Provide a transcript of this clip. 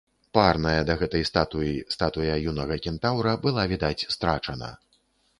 Парная да гэтай статуі статуя юнага кентаўра была, відаць, страчана.